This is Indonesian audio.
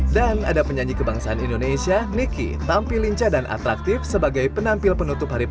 dan ada penyanyi kebangsaan indonesia niki tampil lincah dan atraktif sebagai penampil penutup hari